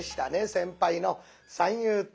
先輩の山遊亭